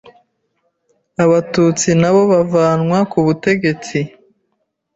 abatutsi nabo bavanwa kubutegetsi